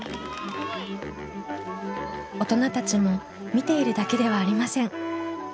大人たちも見ているだけではありません。